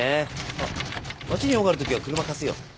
あっ街に用があるときは車貸すよ。